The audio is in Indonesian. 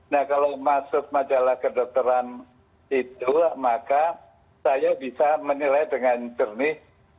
nah kalau masuk majalah kedokteran itu maka saya bisa menilai dengan jernih